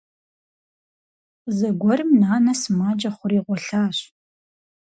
Зэгуэрым нанэ сымаджэ хъури гъуэлъащ.